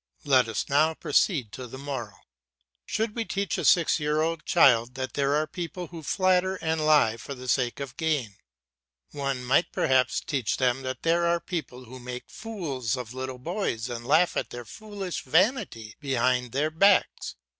Let us now proceed to the moral. Should we teach a six year old child that there are people who flatter and lie for the sake of gain? One might perhaps teach them that there are people who make fools of little boys and laugh at their foolish vanity behind their backs.